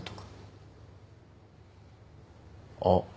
あっ。